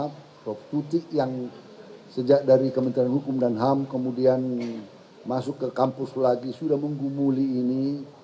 prof tutik yang sejak dari kementerian hukum dan ham kemudian masuk ke kampus lagi sudah menggumuli ini